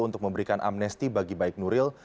untuk memberikan amnesti bagi baik nuril